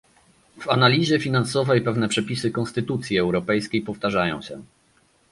W analizie finansowej pewne przepisy konstytucji europejskiej powtarzają się